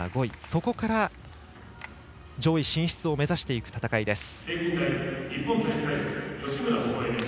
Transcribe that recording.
そこから上位進出を目指していく戦いです。